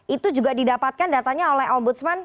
itu juga didapatkan datanya oleh ombudsman